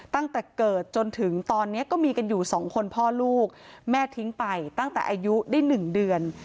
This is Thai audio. ตั้งแต่เกิดจนถึงตอนนี้ก็มีกันอยู่สองคนพ่อลูกแม่ทิ้งไปตั้งแต่อายุได้๑เดือน